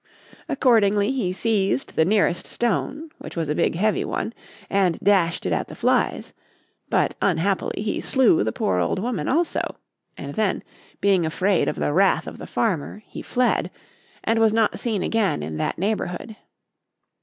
Accordingly he seized the nearest stone, which was a big, heavy one, and dashed it at the flies; but, unhappily, he slew the poor old woman also; and then, being afraid of the wrath of the farmer, he fled and was not seen again in that neighbourhood.